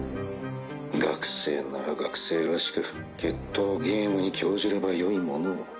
学生なら学生らしく決闘ゲームに興じればよいものを。